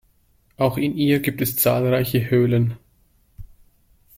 Auch in ihr gibt es zahlreiche Höhlen.